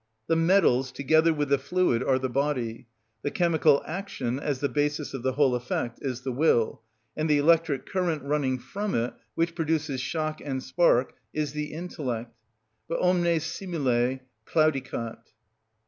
The metals, together with the fluid, are the body; the chemical action, as the basis of the whole effect, is the will, and the electric current resulting from it, which produces shock and spark, is the intellect. But omne simile claudicat.